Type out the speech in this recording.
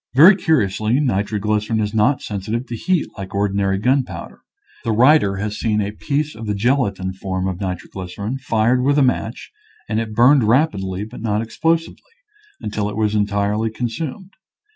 Very curiously, nitroglycerin is not sensitive to heat like ordinary gunpowder. The writer has seen a piece of the gelatin form of nitro glycerin fired with a match, and it burned rapidly, but not explosively, until it was en tirely consumed.